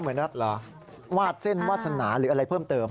วาดเส้นวาสนาหรืออะไรเพิ่มเติม